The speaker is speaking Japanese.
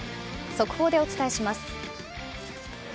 速報でお伝えします。